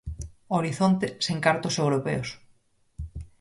'Horizonte sen cartos europeos'.